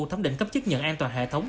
thống định cấp chức nhận an toàn hệ thống